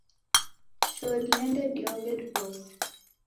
Choo dIende dioghe diw'ose